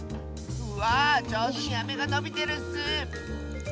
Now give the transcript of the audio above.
わあじょうずにアメがのびてるッス！